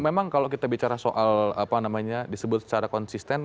memang kalau kita bicara soal apa namanya disebut secara konsisten